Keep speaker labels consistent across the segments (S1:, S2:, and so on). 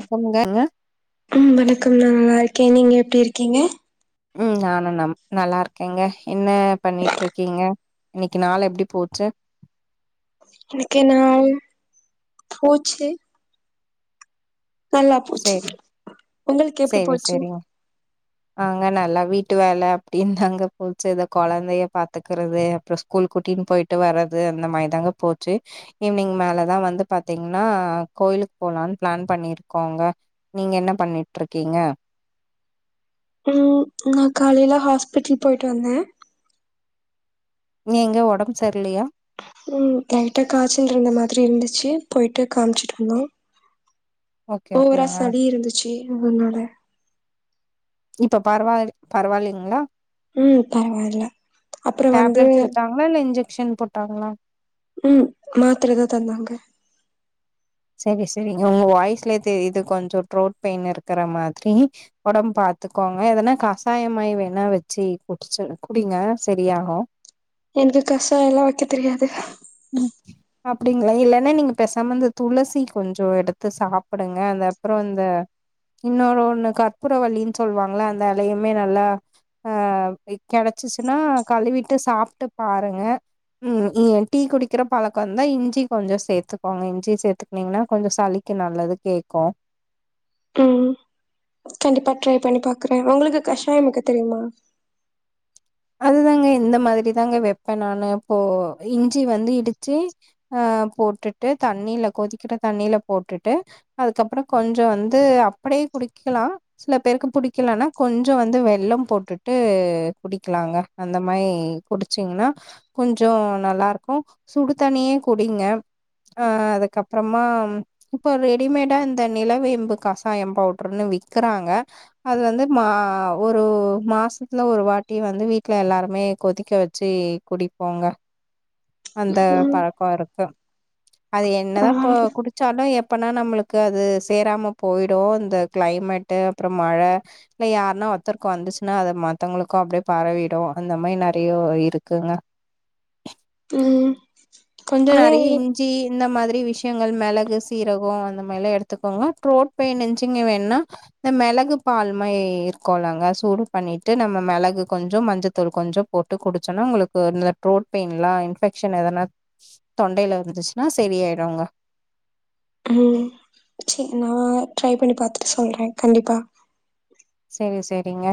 S1: வணக்கம்ங்கங்க
S2: உம் வணக்கம் [unintelligible] கே நீங்க எப்டி இருக்கீங்க
S1: உம் நானண்ணம் நல்லா இருக்கேங்க என்ன பண்ணிட்ருக்கீங்க இன்னக்கி நாள் எப்டி போச்சு
S2: இன்னிக்கு நாள் போச்சு நல்லா போச்சு
S1: சேரி
S2: உங்களுக்கு எப்படி போச்சு
S1: ங்க நல்லா வீட்டு வேல அப்டின்னு தாங்க போச்சு இதா கொழந்தைய பாத்துக்கிறது அப்பறம் ஸ்கூல் குட்டினு போயிட்டு வரது அந்த மாரி தாங்க போச்சு ஈவினிங் மேலதா வந்து பாத்தீங்குன்னா கோயிலுக்கு போலாம்னு பிளான் பண்ணிருக் கோங்க நீங்க என்ன பண்ணிட்ருக்கீங்க
S2: உம் நா காலையில ஹாஸ்பிட்டல் போயிட்டு வந்தே
S1: ஏங்க ஒடம்பு செர்யில்லயா
S2: உம் லைட்டா காய்சல் இருந்த மாதிரி இருந்துச்சு போயிட்டு காமிச்சுட்டு இருந்தோ
S1: ஓகே
S2: ஒவ்ரா
S1: ஓகேங்க
S2: சளி இருந்துச்சு இவுங் என்னோட
S1: இப்ப பரவாலில் பரவாயில்லீங்குளா
S2: உம் பரவால்ல அப்பற வந்து
S1: டேப்லெட் குடுத்தாங்களா இல்ல இன்ஜெக்ஷன் போட்டாங்களா
S2: உம் மாத்தரதா தந்தாங்க
S1: செரி செரிங்க உங்க வாய்ஸ்லயே தெரிது கொஞ்ச தோட்ரேட் பெயின் இருக்கற மாத்ரி ஒடம்பு பாத்துக்கோங்க எதுனா கஷாயிமாரி வேணா வெச்சு குடிச்சு குடிங்க செரியாகு
S2: எனது கஷயாயில்லா வெக்க தெரியாது
S1: அப்பிடிங்களா இல்லன்னா நீங்க பேசாம இந்த துளசி கொஞ்ச எடுத்து சாப்பிடுங்க அது அப்புறோ இந்த இன்னொன் ஒண்ணு கப்பூர வல்லின் சொல்லுவாங்குள அந்த இலையுமே நல்லா ஆஹ் கெடைச்சிச்சுன்னா கழுவிட்டு சாப்பிட்டு பாருங்க உம் ம் டீ குடிக்கிற பழக்கம்ந்தா இஞ்சி கொஞ்சோ சேத்துக்கோங்க இஞ்சி சேத்துங்னீங்கின்னா கொஞ்ச சளிக்கு நல்லது கேக்கு
S2: ப்பட்ரை பண்ணி பாக்குறே உங்குளுக்கு கஷாயம் வெக்க தெரியுமா
S1: அதுதாங்க இந்த மாதிரிதாங்க வெப்பேன் நானு எப்போ இஞ்சி வந்து இடிச்சு அஹ் போட்டுட்டு தண்ணில கொதிக்கிற தண்ணில போட்டுட்டு அதுக்கப்பறம் கொஞ்சோ வந்து அப்டியே குடிக்கிலா சில பேருக்கு புடிக்கலனா கொஞ்ச வந்து வெள்ளம் போட்டுட்டு குடிக் கிலாங்க அந்த மாரி குடிச்சீங்கின்னா கொஞ்ஞோ நல்லா இருக்கு சுடு தனியே குடிங்க அஹ அதுக்கப்புறமா இப்ப ரெடிமேடா இந்த நிலவேம்பு கசாயம் பவுடருன்னு விறக்கிறாங்க அது வந்து மா ஒரு மாசத்துல ஒரு வாட் ட்டி வந்து வீட்ல எல்லாருமே கொதிக்க வெச்சி குடிப்போங்க அந்த
S2: ம்
S1: பழக்கோ இருக்கு அது ஏன் என்னதா போ
S2: பரவால்ல
S1: குடிச்சாலு எப் அப்பனா நம்முளுக்கு அது சேராம போயிடு இந்த கிளைமேட்டு அப்புறம் மழ இல்ல யாருன்னா ஒத்தருக்கு வந்துச்சுன்னா அத மத்தவுங்களுக்கு அப்டியே பரவிடும் அந்த மாரி நெறியோ இருக்குங்க
S2: ம்
S1: கொஞ்ச
S2: ஆனா
S1: நெறைய இஞ்சி இந்த மாதிரி ப்டி விஷயங்கள் மிளகு சீரகம் அந்த மாரியில்லா எடுத்துக்கோங்க த்ரோட் பெயின்ச்சிங்க வேணுனா இந்த மிளகு பால் மாயி இருக்கோலங்க சூடு பண்ணிட்டு நம்ம மிளகு கொஞ்ச மஞ்சத்தூள் கொஞ்ச போட்டு குடிச்சோன்னா உங்குளுக்கு இந்த த்ரோட் பெயின்யிலா இன்ஃபெக்ஷன் எதனா தொண்டையில இருந்துச்சுன்னா செரி ஆயிருங்க
S2: உம் செரி நா ட்ரை பண்ணி பாத்துட்டு சொல்றேன் கண்டிப்பா
S1: சேரி சேரிங்க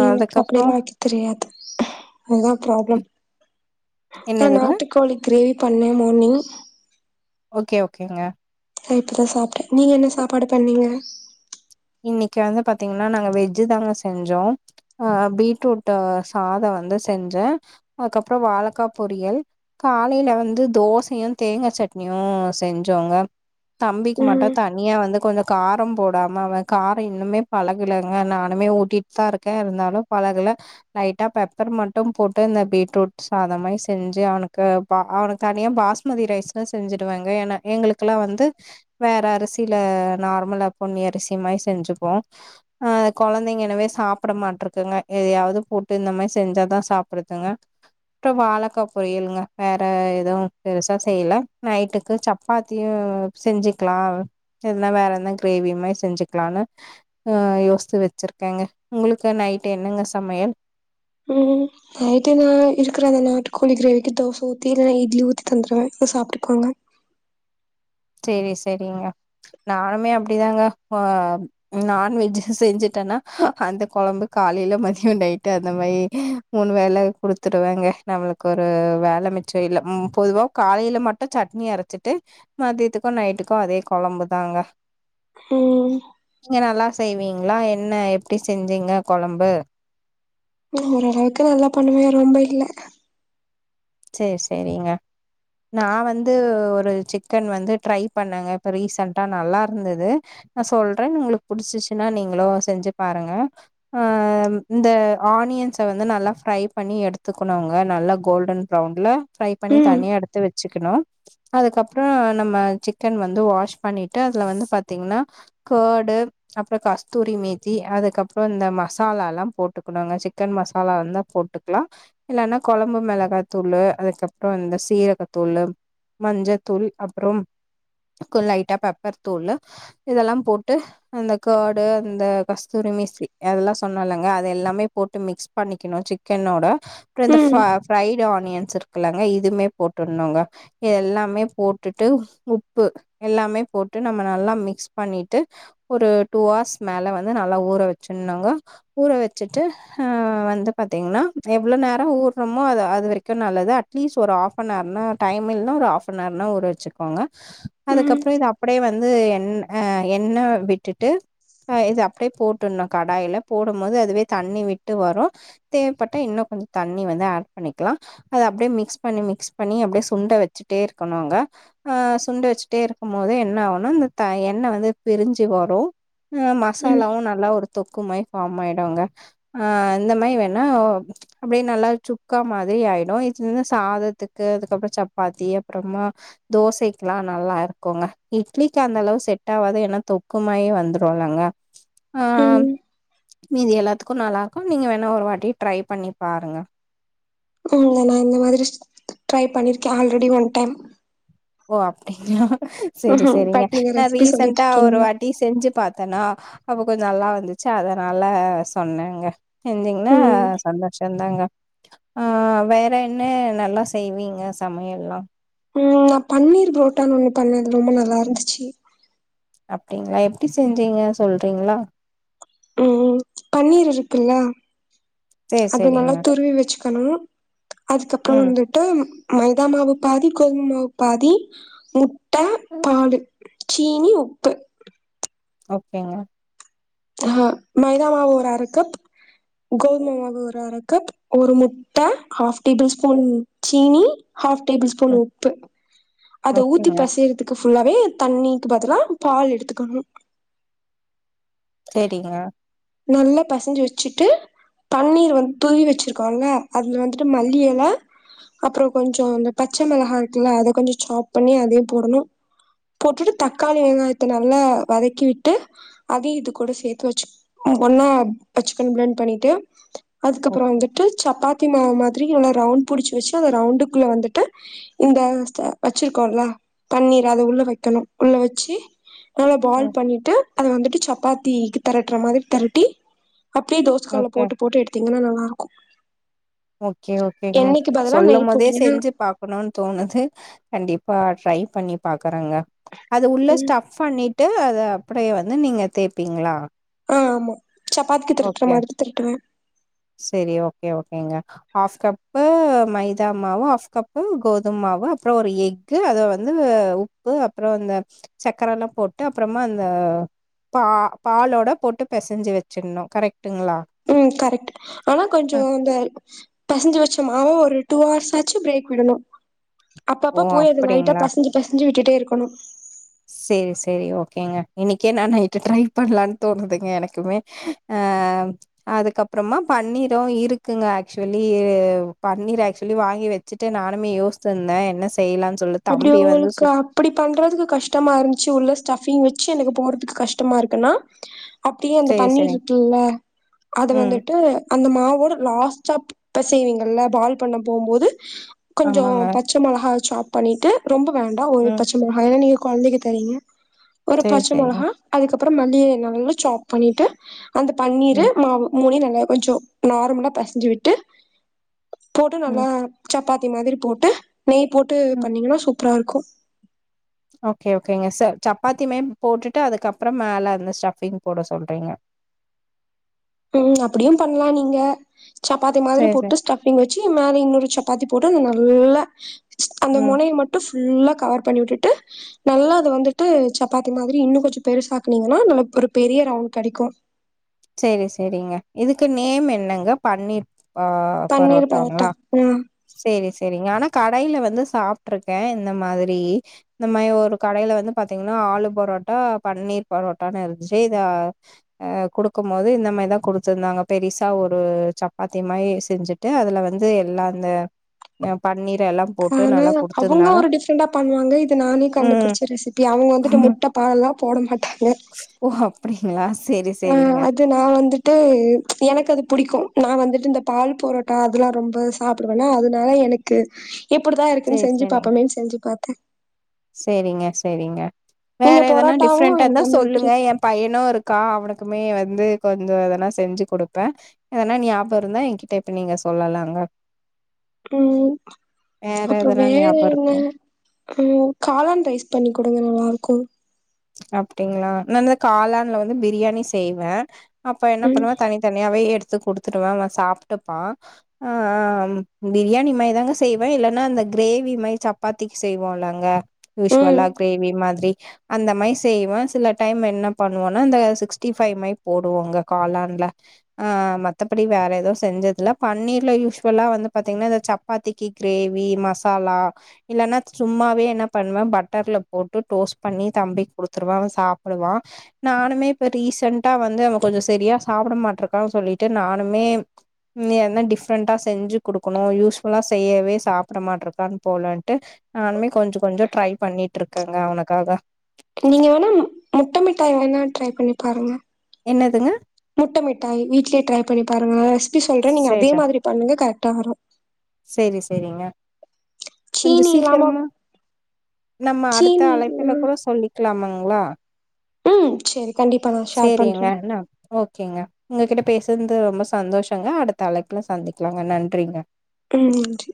S2: எனக்கு அப்பிடியெல்லா வெக்க தெரியாது அதான் ப்ராப்ளம் ஆ
S1: என்னதுங்க
S2: நாட்டுக்கோழி கிரேவி பண்ணே மார்னிங்
S1: ஓக்கே ஓகேங்க
S2: இப்பதா சாப்பிட்டேன் நீங்க என்ன சாப்பாடு பண்ணீங்க
S1: இன்னைக்கு வந்து பாத்தீங்கன்னா நாங்க வெஜ்ஜு தாங்க செஞ்சோம் அஹ் பீட்ரூட் சாத வந்து செஞ்சோம் அதுக்கப்புறோ வாழக்கா பொரியல் காலையில வந்து தோசையும் தேங்கா சட்னியூ செஞ்சோங்க தம்பிக்கு
S2: ம்,
S1: மட்டும் தனியா வந்து கொஞ்ச காரம் போடாம அவ காரம் இன்னுமே பழகுலங்க நானுமே ஊட்டிட்தா இருக்கே இருந்தாலும் பழகல லைட்டா பெப்பர் மட்டும் போட்டு இந்த பீட்ரூட் சாதமாரி செஞ்சு அவனுக்கு பா அவனுக்கு தனியா பாஸ்மதி ரைஸ்ன்னு செஞ்சுடுவாங்க ஏனா எங்குளுக்கெல்லா வந்து வேற அரிசியில நார்மலா பொன்னி அரிசி த்தி மாரி செஞ்சுக்குவோ ஆஹ் கொழந்தைங்க எனவே சாப்புட மாட்ருக்குங்க எதையாவுது போட்டு இந்த மாரி செஞ்சாதா சாப்புடுத்துங்க அப்புறோ வாழக்கா பொரியலுங்க வேற எதோவு பெருசா செய்யில நைட்டுக்கு சப்பாத்தியு செஞ்சுக்குலா எதுனா வேற எந்த கிரேவி மாரி செஞ்சுக் க்குலானு அஹ் யோஸ்து வெச்சுருக்கேங்க உங்குளுக்கு நைட்டே என்னங்க சமையல்
S2: உம் நைட்டு நா இருக்கிற அத நாட்டுக்கோழி கிரேவிக்கு தோசை ஊத்தி இல்லன்னா இட்லி ஊத்தி தந்துடுவே அத்த சாப்பிட்டுக்குவாங்க
S1: செரி சேரிங்க நானுமே அப்டிதாங்க ஆஹ் நான்வெஜ் செஞ்சுட்டேன்னா அந்த குழம்பு காலையில மதியம் நயிட்டு அந்த மாரி மூணு வேல குடுத்துடுவேங்க நம்முளுக் ஒரு வேல மிச்சம் இல்ல ம் பொதுவா காலையில மட்டு சட்னி அரைச்சிட்டு மதியத்துக்கு நைட்டுக்கு அதே குழம்புதாங்க
S2: உஹம்
S1: நீங்க நல்லா செய்வீங்களா என்ன எப்டி செஞ்சீங்க குழம்பு
S2: ம் ஓரளவுக்கு நல்லா பண்ணுவே ரொம்ப இல்ல
S1: சேர் சேரிங்க நான் வந்து ஒரு சிக்கன் வந்து ட்ரை பண்ணேங்க இப்போ ரீசண்ட்டாக நல்லா இருந்தது நான் சொல்றேன் உங்களுக்கு பிடிச்சிச்சுன்னா நீங்களும் செஞ்சு பாருங்க இந்த ஆனியன்ஸை வந்து நல்லா ஃப்ரை பண்ணி எடுத்துக்கணுங்க நல்லா கோல்டன் ரெளவுண்ட்ல ஃப்ரை பண்ணி
S2: ம்,
S1: தனியா எடுத்து வச்சு வச்சுக்கணும் அதுக்கப்புறம் நம்ம சிக்கன் வந்து வாஷ் பண்ணிட்டு அதுல வந்து பாத்தீங்கன்னா ஃகடு அப்புறம் கஸ்தூரி மேத்தி அதுக்கப்புறம் இந்த மசாலா எல்லாம் போட்டுக்கணுங்க சிக்கன் மசாலா இருந்தா போட்டுக்கலாம் இல்லைன்னா குழம்பு மிளகா தூள் அதுக்கப்புறம் இந்த சீரகத்தூள் மஞ்சள்த்தூள் அப்புறம் கொஞ்ச லைட்டாக பெப்பர் தூள் இதெல்லாம் போட்டு அந்த கேஃடு அந்த கஸ்தூரி மேசி அதெல்லாம் சொன்னலைங்க அது எல்லாமே போட்டு மிக்ஸ் பண்ணிக்கணும் சிக்கனோட அப்புறம் இந்த ப
S2: ம்,
S1: ப்ஃரைட் பன்னி வச்சிருக்குலாம்ங்க இதுவுமே போட்டுஎல்லாமே போட்டு உப்பு எல்லாமே போட்டு நல்லா மிக்ஸ் பண்ணிட்டு ஒரு டூ ஹார்ஸ் மேல நல்லா ஊற வச்சுனுங்க ஊற வச்சுட்டு ஹ் வந்து பாத்தீங்கன்னா எவ்வுளோ நேரம் ஊர்ணுமோ அது அதுவரை நல்லது அட்லீஸ்ட் ஒரு ஹாஃப் நவர்னா டைம்மில்லனா ஒரு ஹாஃப் நவர்னா ஊர வச்சுக்கோங்க
S2: ம்,
S1: அதுக்கப்புறம் இது அப்படியே வந்து வந்து எ எண்ணெய் விட்டுட்டு இது அப்படியே போட்டுணும் கடாயில போடும் போது அதுவே தண்ணி விட்டு வரும் தேவைப்பட்டா இன்னும் கொஞ்சம் தண்ணி வந்து ஆட் பண்ணிக்கலாம் அதை அப்படியே மிக்ஸ் பண்ணி மிக்ஸ் பண்ணி அப்படியே சுண்டை வச்சுட்டே இருக்கணும்ங்க அஹ் சுண்டை வச்சுட்டே இருக்கும் போது என்ன ஆகணும் இந்த த எண்ணெய் வந்து பிரிஞ்சு வரும்
S2: ம்,
S1: மசாலாவும் நல்லா ஒரு தொக்கு மாதிரி பார்ம் ஆயிடுங்க ஹ் இந்த மாரி வேணா அப்படியே நல்லா சுக்கா மா மாதிரி ஆயிடும் இலந்து சாதத்துக்கு அதுக்கப்புறம் சப்பாத்தி அப்புறமா தோசைக்குல்லாம் நல்லா இருக்குங்க இட்லிக்கு அந்த அளவு செட் ஆவாது ஏன்னா தொக்கு மாரி வந்துரும்லங்க ஆஹ்
S2: ம்.
S1: மீதி எல்லாத்து க்கும் நல்லா இருக்கும் நீங்க வேணா ஒரு வாட்டி ட்ரை பண்ணி பாருங்க
S2: நா இந்த மாதிரி ட்ரை பண்ணிருக்கேன் ஆல்ரெடி ஒன் டைம்
S1: ஓ அப்படிங்கிளா சேரி
S2: ம்ஹ்ம்.
S1: சேரிங்க
S2: பட் நீங்க
S1: நான்
S2: ரெசிபி
S1: ரீசன்ண்டா ஒரு
S2: சொல்லிட்ருக்கீங்க.
S1: வாட்டி செஞ்சு பாத்தேனா அப்ப கொஞ்ச நல்லா வந்துச்சு அதுனால சொன்னேங்க செஞ்சிங்கன்னா
S2: ம்
S1: சந்தோச தாங்க ஆஹ் வேற என்ன நல்லா செய்வீங்க சமையல்லான்
S2: உம் நா பன்னீர் புரோட்டான்னு ஒண்ணு பண்ணேன்அது ரொம்ப நல்லாயிருந்துச்சு
S1: அப்புடிங்கிளா எப்புடி செஞ்சீங்க சொல்றீங்களா
S2: உம் பன்னீர் இருக்குல்ல
S1: சேரி
S2: அது நல்லா
S1: சேரிங்க
S2: துருவி வெச்சுக்கணும் அதுக்கப்புறோ
S1: ம்
S2: வந்துட்டு மைதா மாவு பாதி கோதுமைமாவு பாதி மு ட்ட பாலு சீனி உப்பு
S1: ஓகேங்க
S2: அஹா மைதா மாவு ஒரு அர கப் கோதும மாவு ஒரு அர கப் ஒரு முட்ட ஹாஃப் டேபுள் ஸ்பூன் சீனி ஹாஃப் டேபுள் ஸ்பூன்
S1: ம்
S2: உப்பு அத ஊத்தி
S1: ஓகேங்க
S2: பெசையறதுக்கு ஃபுல்லாவே தண்ணிக்கு பதிலா பால் எடுத்துக்கணும்
S1: சேரிங்க
S2: நல்லா பெசஞ்சு வெச்சுட்டு தண்ணீர் வந்து துருவி வெச்சுருக்கோல்ல அதுல வந்துட்டு மல்லி எல அப்புறோம் கொஞ்சோம் இந்த பச்ச மிளகா இருக்குல அத கொஞ்சோம் சாப் பண்ணி அதையும் போடணும் போட்டுட்டு தக்காளி வெங்காயத்த நல்லா வதக்கி விட்டு அதைய இதுக்கூட சேர்த்து வெச்சு ஒன்னா வெச்சுக்கனு ப்ளண்ட் பண்ணிட்டு அதுக்கப்புறோம்
S1: ஓகே
S2: வந்துட்டு சப்பா மாவு மாதிரி நல்லா ரவுண்ட் புடிச்சு வெச்சு அந்த ரவுண்டுக்குள்ள வந்துட்டு இந்த வெச்சுருக்கோல பன்னீர் அது உள்ள வெக்கணும் உள்ள வெச்சு நல்லா பாயில்
S1: ம்
S2: பண்ணிட்டு அது வந்துட்டு சப்பாத்திக்கு தெரட்டுற மாதிரி. தெரட்டி. அப்டியே தோச கல்லுல
S1: ஓகே
S2: போட்டு போட்டு எடுத்தீங்கன்னா நல். நல்லாருக்கு.
S1: ஓகே ஓகேங்க
S2: நெய்
S1: சொல்லும்போதே
S2: போட்டீங்கன்னா
S1: செஞ்சு பாக்கணோம்னு தோணுது கண்டிப்பா ட்ரை பண்ணி. பாக்குறேங்க அது உள்ள
S2: ம்
S1: ஸ்டஃப் பண்ணிட். ட்டு அத அப்டியே வந்து நீங்க தேய்பீங்களா.
S2: ஆஹ ஆமா சப்பாத்தி தெரட்டுற மாதிரி தெரட்டுவ.
S1: சேரி ஓகே ஓகேங்க ஹாஃப் கப்பு மைதா மாவு ஹாஃப் கப்பு கோதும மாவு அப்புறோ ஒரு எக்கு அத வந்து உப்பு அப்புறோ அந்த சக்கரல்லா போட்டு அப்புறமா அந்த பா பாலோட போட்டு பெசஞ்சு வெச்சுடணோ கரெக்டுங்களா.
S2: உம் கரெக்ட் ஆனா கொஞ்சோ இந்த. பெசஞ்சு வெச்சமாவ ஒரு டூ ஹர்ஸ்சாச்சோ பிரேக் விடணு. அப்ப
S1: ஓ
S2: அப்ப போயி அத லைட்டா
S1: அப்டிங்களா
S2: பெசஞ்சு பெசஞ்சு விட். விட்டுட்டேயிருக்கனு.
S1: இன்னிக்கே நா நைட்டு ட்ரை பண்ணலான்னு தோணுதுங்க எனக்குமே அ அதுக்கப்புறமா பன்னீரோயிருக்குங்க ஆக்சுவலி பன்னீர் ஆக்சுவலி வாங்கி வெச்சுட்டு நானுமே யோஸ்டு இருந்தே என்ன செய்.
S2: அப்டி உங்களுக்கு அப்டி பண்றதுக்கு கஷ். டமாயிருந்துச்சு உள்ள ஸ்டபிங் வெச்சு எனக்கு போடுறதுக்கு கஷ்டமாயிருக்குன்னா. அப்டியே அந்த
S1: சேரி
S2: பன்னீர்
S1: சேரிங்க
S2: இருக்குல்ல அத
S1: ம்
S2: வந்துட்டு. அந்த மாவோட லாஸ்ட்டா பெசைவிங்கள்ல பால் பண்ண போம்போது. கொஞ்சோ
S1: ஆமாங்க
S2: பச்ச மொளகா சாப். பண்ணிட்டு. ரொம்ப வேண்டாம் ஒரு
S1: ம்
S2: பச்சமொளகாயே நீங். கொழந்தைக்கு தரீங்க. ஒரு
S1: சேரி
S2: பச்ச
S1: சேரிங்க
S2: மொளகா அதுக்கப். அப்புறோ மல்லிய நல்லா சாப் பண்ணிட்டு. அந்த பன்னீரு
S1: ம்
S2: மாவு மூணையும் நல். கொஞ்சோ நார்மலா பெசஞ்சு விட்டு. போட்டு நல்லா
S1: ம்
S2: சப். பாத்தி மாதிரி போட்டு நெய் போட்.
S1: ம்
S2: பன்னீங்கன்னா சூப். சூப்பரா இருக்கும்.
S1: ஓகே ஓகேங்க சார் சப்பாத்தியுமே போட்டுட்டு அதுக்கப்புறோம் மேல அந்த ஸ்டட்ஃபிங் போட சொல்றீங்க.
S2: ம் அப்டியும் பண்லாம் நீங்க. சப்பாத்தி மாதிரி
S1: சேரி சேரி
S2: போட்டு ஸ்டஃபிங் வச்சு மேல இன்னொரு சப்பாத்திபோட்டு இன்னு நல். இல்ல. அந்த
S1: ம்
S2: மொனைய மட்டு ஃபுல்லா கவர் பண்ணி உட்டுட்டு நல்லா அது வந்துட்டு சப்பாத்தி மாதிரி இன்னு கொஞ்சொ பெருசாக்குனீங்கனா நல்ல ஒரு பெரிய ரவுண்ட் கெடைக்கும்
S1: சேரி சேரிங்க இதுக்கு நேம் என்னங்க பன்னீர் ஆ
S2: பன்னீர்
S1: பரோட்டாங்களா?
S2: பரோட்டா ம்
S1: சேரி செரிங் ஆனா கடை வந்து சாப்ட்டுருக்கே இந்த மாதிரி இந்த மாரி ஒரு கடைல வந்து பாத்தீங்ன்னா ஆலு பரோட்டா பன்னீர் பரோட்டான்னு இருந்துச்சு இத அ குடுக்கும் போது இந்த மாரிதா குடுத்துருந்தாங்க பெருசா ஒரு சப்பாத்தி மாரி செஞ்சுட்டு அதுல வந்து எல்லா இந்த அ பன்னீர் எல்லா போட்டு
S2: ஆனா
S1: நல்லா
S2: அவுங்க
S1: குடுத்துருந்தாங்க.
S2: ஒரு டிஃப்ரெண்டா பண்ணுவாங்க இது நானே
S1: ம்
S2: கண்டுபுடிச்ச ரெசிபி அவுங்க வந்துட்டு முட்ட பால்லா போட மாட்டாங்க
S1: ஓ அப்டிங்களா சேரி
S2: ஆ
S1: சேரிங்க.
S2: அது நா வந்துட்டு எனக்கு அது புடிக்கும் நா வந்துட்டு இந்த பால் பொரோட்டா அதெல்லா ரொம்ப சாப்டுவேனா அதுனால எனக்கு எப்டிதா இருக்குன்
S1: சேரி
S2: செஞ்சு
S1: சேரிங்க.
S2: பாப்போமேன் செஞ்சு பாத்தே
S1: சேரிங்க சேரிங்க வேற
S2: நீங்க
S1: எதன்னா
S2: பரோட்டாவும்
S1: டிஃப்ரெண்டா இருந்தா
S2: இந்த மாதிரி
S1: சொல்லுங்க ஏ பையனு இருக்கா அவனுக்குமே வந்து ப இந்த இதலா செஞ்சு குடுப்பே எனா ஞாபருந்தா என்கிட்ட இப்ப நீங்க சொல்லலாங்க
S2: உம்
S1: வேற
S2: அப்புறோ
S1: எதனா
S2: வேற
S1: ஞாபகோ
S2: என்ன
S1: இருக்கு
S2: ம் காளான் டேஸ் பண்ணிக் குடுங்க நல்லா இருக்கும்
S1: அப்டிங்ளா நாந்த காளான்ல வந்து பிரியாணி செய்வே அப்ப என்ன
S2: ம்
S1: பண்ணுவ தனி தனியாவே எடுத் து குடுத்துடுவே அவ சாப்ட்டுப்பா ஆ பிரியாணி மாரி தாங்க செய்வே இல்லனா அந்த க்ரேவி மாரி சப்பாத்திக்கு செய்வோல்லங்க
S2: ம்
S1: யூஷ்வல்லா கிரேவி மாதிரி அந்த மை செய்வே சில டைம் என்ன பண்ணுவன்னா இந்த சிக்ஸ்டி ஃபைவ் மாரி போடுவோங்க காளான்ல ஆ மத்தபடி வேற எதுவு செஞ்சதில்ல பன்னீர்ல யூஷ்வலா வந்து பாத்தீங்னா இந்த சப்பாத்திக்கு கிரேவி மசாலா இல்லன்னா சும்மாவே என்ன பண்வ பட்டர்ல போட்டு டோஸ்ட் பண்ணி தம்பிக் குடு குருவே அவ சாப்புடுவா நானுமே இப்ப ரீசண்ட்டா வந்து அவ கொஞ்ச சரியா சாப்புட மாட்ருக்கானு சொல்லிட்டு நானுமே டிஃப்ரெண்டா செஞ்சு குடுக்கணு யூஷ்வல்லா செய்யவே சாப்புட மாட்ருக்கான் போலன்ட்டு நானுமே கொஞ்ச கொஞ்சொ ட்ரை பண்ணிட்ருக்கேங்க அவனுக்காக
S2: நீங்க வேணா முட்ட மிட்டாய் வேணா ட்ரை பண்ணி பாருங்க
S1: என்னதுங்க
S2: முட்டமிட்டாய் வீட்லயே ட்ரை பண்ணி பாருங்களே எப்டி சொல்றேன் நீங்க
S1: சேரி
S2: அதே
S1: சேரி
S2: மாதிரி பண்ணுங்க கரெ ட்டா வரும்
S1: சேரி செரிங்க கொஞ்ச
S2: சீனி இல்லாம
S1: சீக்கிரமா நம்ம அடுத்த
S2: சீனி இல்ல
S1: அழைப்புல கூட சொல்லிக்லாமாங் களா
S2: ம் சரி கண்டிப்பா நான் ஷேர்
S1: சேரிங்க
S2: பண்றேன்.
S1: அனா ஓகேங்க உங்க கிட்ட பேசுனது ரொம்ப சந்தோஷங்க அடுத்த அழைப்புல சந்திக்கலாங்க நன்றிங்க
S2: ம் நன்றி